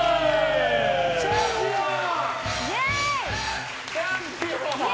チャンピオン！